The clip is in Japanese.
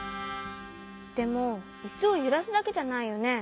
でもイスをゆらすだけじゃないよね？